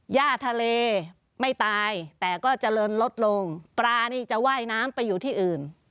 ย่าทะเลไม่ตายแต่ก็เจริญลดลงปลานี่จะว่ายน้ำไปอยู่ที่อื่น